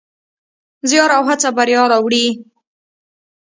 زیار او هڅه بریا راوړي.